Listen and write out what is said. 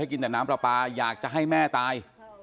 กินแต่น้ำปลาปลาอยากจะให้แม่ตาย